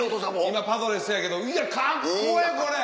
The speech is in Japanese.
今パドレスやけどいやカッコええこれ！